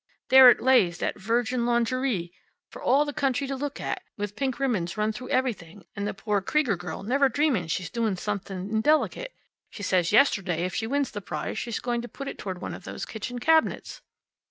There it lays, that virgin lawnjerie, for all the county to look at, with pink ribbons run through everything, and the poor Krieger girl never dreamin' she's doin' somethin' indelicate. She says yesterday if she wins the prize she's going to put it toward one of these kitchen cabinets."